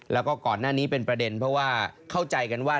แล้วก็ก่อนหน้านี้เป็นประเด็นเพราะว่าเข้าใจกันว่า